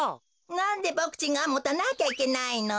なんでボクちんがもたなきゃいけないの？